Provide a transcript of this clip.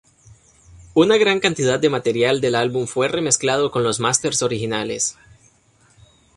Una gran cantidad de material del álbum fue remezclado con los másters originales.